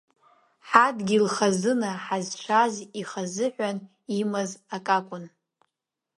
Ҳадгьыл хазына ҳазшаз ихазыҳәан имаз акакәын.